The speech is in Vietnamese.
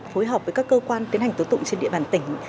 phối hợp với các cơ quan tiến hành tố tụng trên địa bàn tỉnh